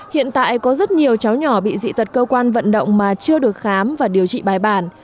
hiện tại có rất nhiều cháu nhỏ bị dị tật cơ quan vận động mà chưa được khám và điều trị bài bản